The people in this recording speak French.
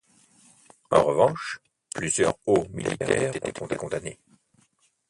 En revanche, plusieurs hauts militaires ont été condamnés.